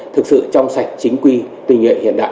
thực sự trong sạch chính quy tùy nghệ hiện đại